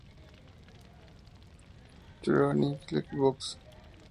Chronicle Books.